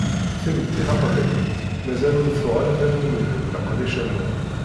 Timetti taqbaylit, mazal ur tuɣ ara tannumi deg leqdic am wa.